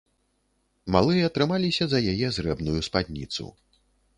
Малыя трымаліся за яе зрэбную спадніцу.